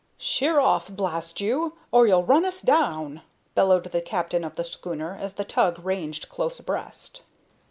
"Sheer off, blast you, or you'll run us down!" bellowed the captain of the schooner as the tug ranged close abreast.